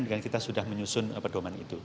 karena kita sudah menyusun perdoman itu